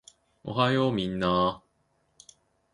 おはようみんなー